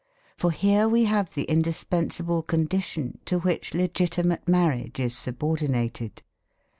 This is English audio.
For here we have the indispensable condition to which legitimate marriage is subordinated.